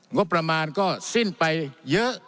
งบประมาณก็สิ้นไปเยอะ